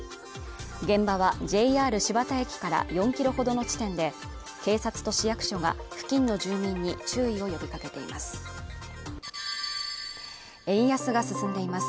現場はＪＲ新発田駅から４キロほどの地点で警察と市役所が付近の住民に注意を呼びかけています円安が進んでいます